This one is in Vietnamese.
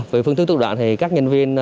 về phương thức thủ đoạn thì các nhân viên